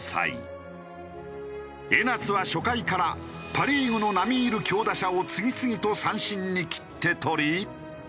江夏は初回からパ・リーグの並み居る強打者を次々と三振に切って取り。